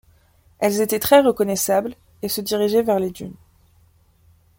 Elles étaient très reconnaissables, et se dirigeaient vers les dunes.